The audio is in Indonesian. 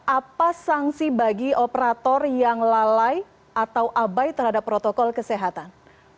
apa sanksi bagi operator yang lalai atau abai terhadap protokol kesehatan